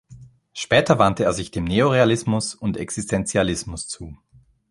Später wandte er sich dem Neorealismus und Existenzialismus zu.